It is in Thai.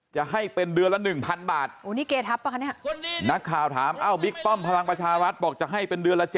จะให้เป็นเดือนละ๑๐๐๐บาทนักข่าวถามอ้าวบิ๊กป้อมพลังประชาราชบอกจะให้เป็นเดือนละ๗๐๐